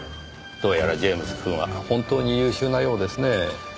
どうやらジェームズくんは本当に優秀なようですねぇ。